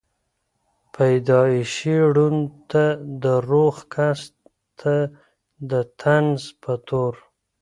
پېدائشي ړوند ته دَروغ کس ته دطنز پۀ طور